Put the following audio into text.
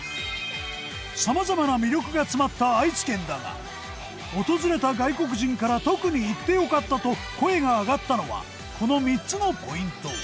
様々な魅力が詰まった愛知県だが訪れた外国人から特に行って良かったと声が上がったのはこの３つのポイント。